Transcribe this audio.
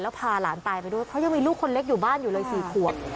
แล้วพาหลานตายไปด้วยเพราะยังมีลูกคนเล็กอยู่บ้านอยู่เลย๔ขวบ